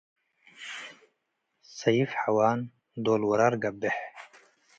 ሰይፍ ሐዋን ዶል ወራር ገቤሕ።